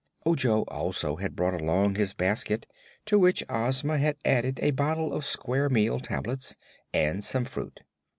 Ojo also had brought along his basket, to which Ozma had added a bottle of "Square Meal Tablets" and some fruit.